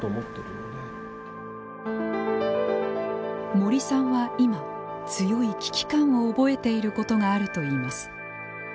森さんは今強い危機感を覚えていることがあるといいます。